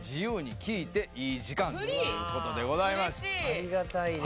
ありがたいね。